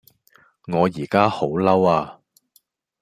我依家好嬲呀